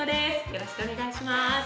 よろしくお願いします。